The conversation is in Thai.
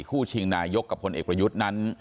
ชิงนายกกับพลเอกประยุทธ์นั้น